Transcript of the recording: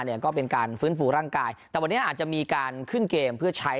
เนี่ยก็เป็นการฟื้นฟูร่างกายแต่วันนี้อาจจะมีการขึ้นเกมเพื่อใช้